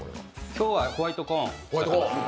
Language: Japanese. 今日はホワイトコーンを。